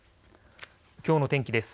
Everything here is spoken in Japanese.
きょうの天気です。